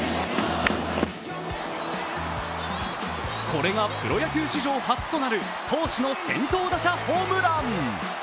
これがプロ野球史上初となる投手の先頭打者ホームラン。